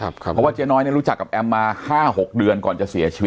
เพราะว่าเจ๊น้อยรู้จักกับแอมมา๕๖เดือนก่อนจะเสียชีวิต